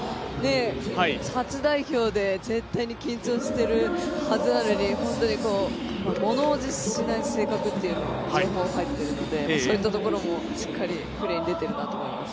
初代表で絶対に緊張しているはずなのに、本当に物怖じしない性格という情報が入っているのでそういったところもしっかりプレーに出てるなと思います。